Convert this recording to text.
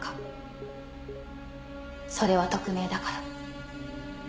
「それは匿名だから」